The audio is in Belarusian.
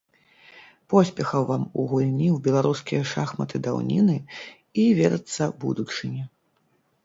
Поспехаў вам у гульні ў беларускія шахматы даўніны і, верыцца, будучыні!